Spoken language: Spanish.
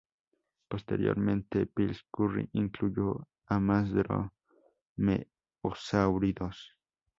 Posteriormente, Phil Currie incluyó a más dromeosáuridos.